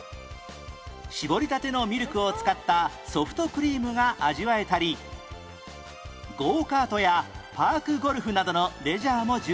搾りたてのミルクを使ったソフトクリームが味わえたりゴーカートやパークゴルフなどのレジャーも充実